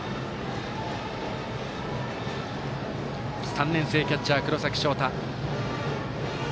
３年生キャッチャー黒崎翔太。